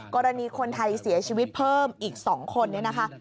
กรณีคนไทยเสียชีวิตเพิ่มอีก๒คนเนี่ยนะคะ